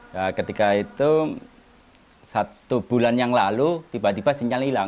nah ketika itu satu bulan yang lalu tiba tiba sinyal hilang